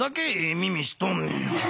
耳しとんねん。